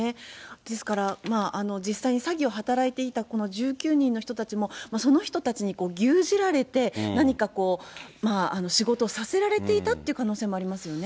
ですから、実際に詐欺を働いていたこの１９人の人たちもその人たちに牛耳られて、何か仕事されられていたってい可能性もありますよね。